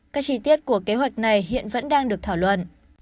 các chi tiết của kế hoạch này hiện vẫn đang được thảo luận